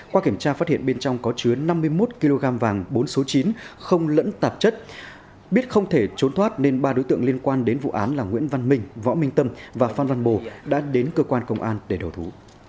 qua kiểm tra phát hiện bên trong có chứa năm mươi một kg vàng bốn số chín không lẫn tạp chất biết không thể trốn thoát nên ba đối tượng liên quan đến vụ án là nguyễn văn minh võ minh tâm và phan văn bồ đã đến cơ quan công an để đầu thú